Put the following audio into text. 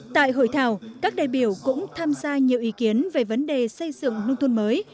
tại hội thảo các đại biểu cũng tham gia nhiều ý kiến về vấn đề xây dựng nông thôn mới